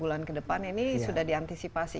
tiga empat bulan ke depan ini sudah diantisipasi